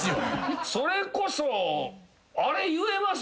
それこそあれ言えます？